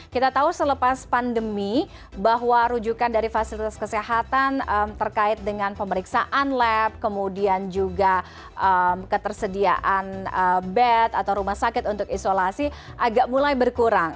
kita tahu selepas pandemi bahwa rujukan dari fasilitas kesehatan terkait dengan pemeriksaan lab kemudian juga ketersediaan bed atau rumah sakit untuk isolasi agak mulai berkurang